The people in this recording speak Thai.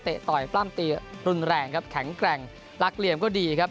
ต่อยปล้ำตีรุนแรงครับแข็งแกร่งรักเหลี่ยมก็ดีครับ